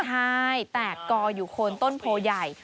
ใช่แตกก่ออยู่คนต้นโพยัย